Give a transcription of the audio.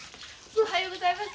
おはようございます。